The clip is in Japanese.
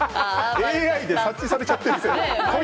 ＡＩで察知されちゃってるんですよ。